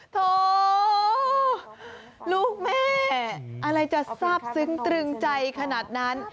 โถลูกแม่อะไรจะทราบซึ้งตรึงใจขนาดนั้น